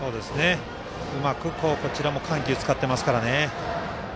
うまく、こちらも緩急使ってますからね。